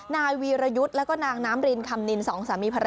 นายวีรยุทธ์แล้วก็นางน้ำรินคำนินสองสามีภรรยา